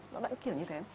đó là kiểu như thế